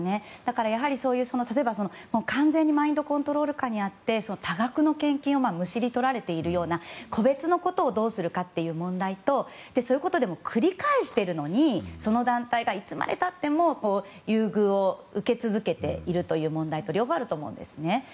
例えば完全にマインドコントロール下にあって多額の献金をむしり取られているような個別のことをどうするかという問題とそういうことを繰り返しているのにその団体が、いつまで経っても優遇を受け続けているという問題と両方あると思うんですね。